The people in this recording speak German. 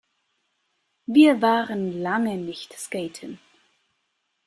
Wir waren lange nicht skaten.